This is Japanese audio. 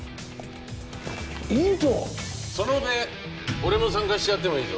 俺も参加してやってもいいぞ。